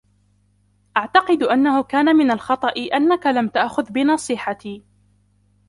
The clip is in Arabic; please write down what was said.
اعتقد انه كان من الخطأ أنك لم تأخذ بنصيحتي.